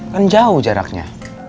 kan jauh jaraknya